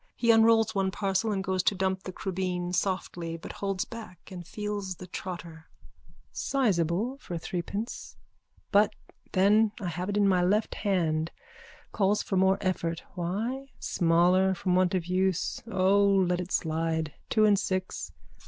He unrolls one parcel and goes to dump the crubeen softly but holds back and feels the trotter.)_ Sizeable for threepence. But then I have it in my left hand. Calls for more effort. Why? Smaller from want of use. O, let it slide. Two and six.